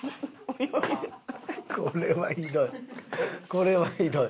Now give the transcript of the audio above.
これはひどい。